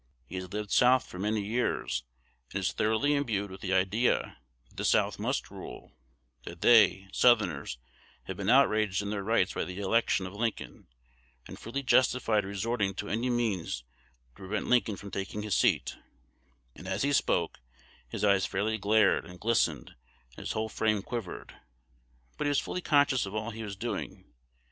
He has lived South for many years, and is thoroughly imbued with the idea that the South must rule; that they (Southerners) have been outraged in their rights by the election of Lincoln, and freely justified resorting to any means to prevent Lincoln from taking his seat; and, as he spoke, his eyes fairly glared and glistened, and his whole frame quivered, but he was fully conscious of all he was doing.